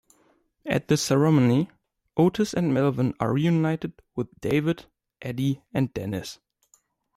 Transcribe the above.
At the ceremony, Otis and Melvin are reunited with David, Eddie, and Dennis.